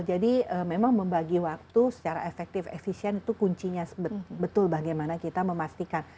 jadi memang membagi waktu secara efektif efisien itu kuncinya betul bagaimana kita memastikan